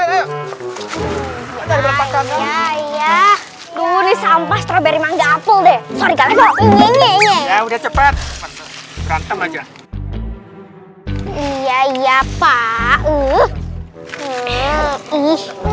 lalu disampah strawberry manga apple deh sorry udah cepet cepet aja iya iya pak